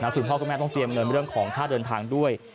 คุณพ่อคุณแม่ต้องเตรียมเงินเรื่องของค่าเดินทางด้วย